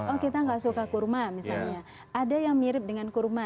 oh kita nggak suka kurma misalnya ada yang mirip dengan kurma